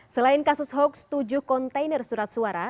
selain kasus hoax tujuh kontainer surat suara